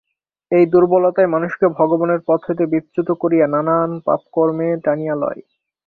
এই দুর্বলতাই মানুষকে ভগবানের পথ হইতে বিচ্যুত করিয়া নানা পাপ-কর্মে টানিয়া লয়।